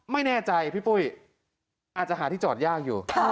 ไม่แน่ใจพี่ปุ้ยอาจจะหาที่จอดยากอยู่